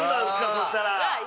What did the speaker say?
そしたら。